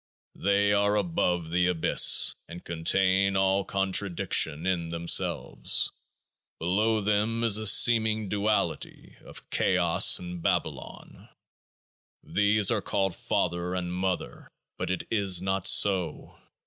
They are above The Abyss, and contain all contradiction in themselves. Below them is a seeming duality of Chaos and Babalon ; these are called Father and Mother, but it is not so.